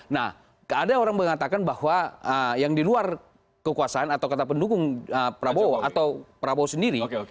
nah ada orang mengatakan bahwa yang di luar kekuasaan atau kata pendukung prabowo atau prabowo sendiri